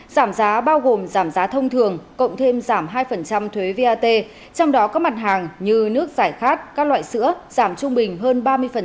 giảm giá bao gồm giảm giá thông thường cộng thêm giảm hai thuế vat trong đó các mặt hàng như nước giải khát các loại sữa giảm trung bình hơn ba mươi